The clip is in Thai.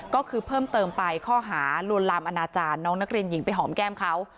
ก็คือเพิ่มเติมไปข้อหาลวนลามอนาจารย์น้องนักเรียนหญิงไปหอมแก้มเขา